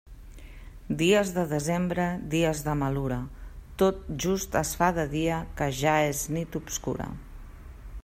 Dies de desembre, dies de malura: tot just es fa de dia que ja és nit obscura.